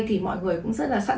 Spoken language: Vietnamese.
thì mọi người cũng rất là sẵn sàng